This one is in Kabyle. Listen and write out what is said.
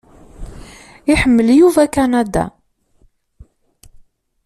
Iḥemmel Yuba Kanada.